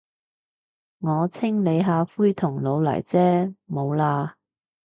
我清理下灰同老泥啫，冇喇。